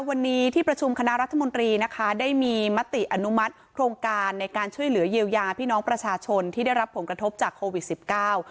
วันนี้ที่ประชุมคณะรัฐมนตรีนะคะได้มีมติอนุมัติโครงการในการช่วยเหลือเยียวยาพี่น้องประชาชนที่ได้รับผลกระทบจากโควิดสิบเก้า